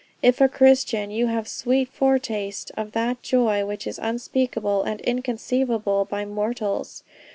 If a Christian, you have sweet foretastes of that joy which is unspeakable and inconceivable by mortals.